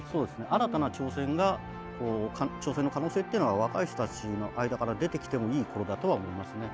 新たな挑戦が挑戦の可能性っていうのが若い人たちの間から出てきてもいいころだとは思いますね。